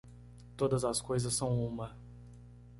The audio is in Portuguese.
Todas as coisas são uma.